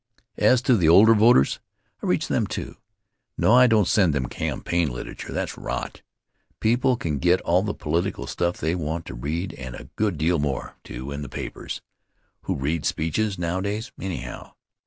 As to the older voters, I reach them, too. No, I don't send them campaign literature. That's rot. People can get all the political stuff they want to read and a good deal more, too in the papers. Who reads speeches, nowadays, anyhow?